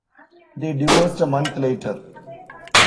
They divorced a month later.